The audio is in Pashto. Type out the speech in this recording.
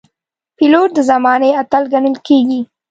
پیلوټ د زمانې اتل ګڼل کېږي.